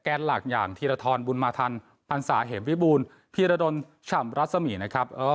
แค่หลักอย่างธีระทรบุญมาธรรมปรรรสาเหมศ์วิบูรณ์พิรดรช่ำรัศมีย์